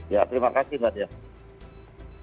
ya terima kasih mbak